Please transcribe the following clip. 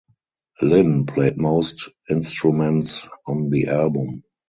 Lynne played most instruments on the album.